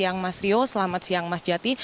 yo selamat siang mas jati